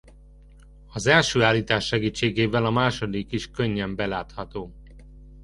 Az első állítás segítségével a második is könnyen belátható.